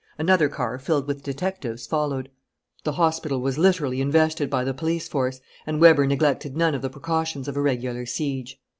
Another car, filled with detectives, followed. The hospital was literally invested by the police force and Weber neglected none of the precautions of a regular siege.